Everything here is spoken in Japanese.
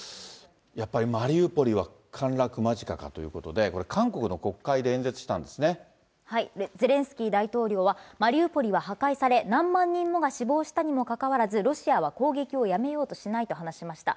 やっぱりマリウポリは陥落間近かということで、これ、韓国の国会ゼレンスキー大統領は、マリウポリは破壊され、何万人もが死亡したにもかかわらず、ロシアは攻撃をやめようとしないと話しました。